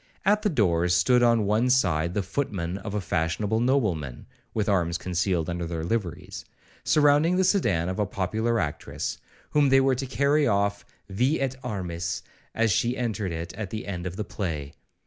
At the doors stood on one side the footmen of a fashionable nobleman, (with arms concealed under their liveries), surrounding the sedan of a popular actress1, whom they were to carry off vi et armis, as she entered it at the end of the play.